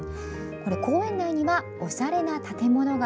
公園内には、おしゃれな建物が。